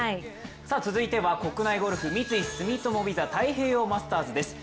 続いては国内ゴルフ、三井住友ＶＩＳＡ太平洋マスターズです。